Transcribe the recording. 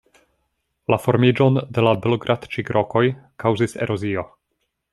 La formiĝon de la Belogradĉik-rokoj kaŭzis erozio.